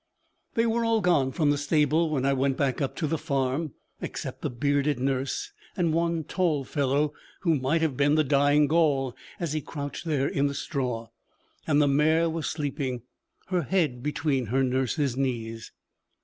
They were all gone from the stable when I went back up to the farm, except the bearded nurse and one tall fellow, who might have been the 'Dying Gaul' as he crouched there in the straw; and the mare was sleeping her head between her nurse's knees.